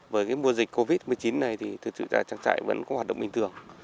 với mùa dịch covid một mươi chín này thì thực sự là trang trại vẫn có hoạt động bình thường